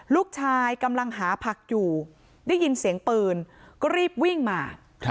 ลูกชายกำลังหาผักอยู่ได้ยินเสียงปืนก็รีบวิ่งมา